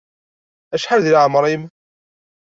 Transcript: Acḥal di leɛmeṛ-im?